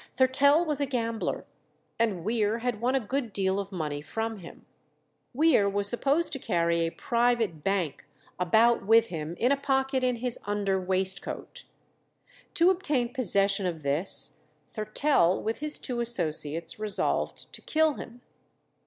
Thurtell was a gambler, and Weare had won a good deal of money from him. Weare was supposed to carry a "private bank" about with him in a pocket in his under waistcoat. To obtain possession of this, Thurtell with his two associates resolved to kill him.